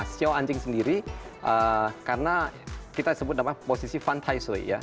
sio anjing sendiri karena kita sebut posisi fan tai sui